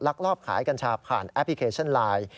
ลอบขายกัญชาผ่านแอปพลิเคชันไลน์